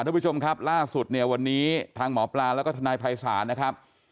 ทุกผู้ชมครับล่าสุดเนี่ยวันนี้ทางหมอปลาแล้วก็ทนายภัยศาลนะครับ